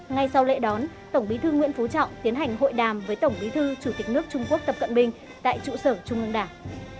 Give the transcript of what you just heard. ngay sau lễ đón tổng bí thư nguyễn phú trọng tiến hành hội đàm với tổng bí thư chủ tịch nước trung quốc tập cận bình tại trụ sở trung ương đảng